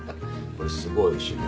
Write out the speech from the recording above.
これすごいおいしいの。